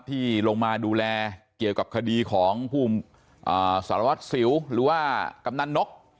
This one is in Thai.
ที่ลงมาดูแลเกี่ยวกับคดีของผู้สารวัตรสิวหรือว่ากำนันนก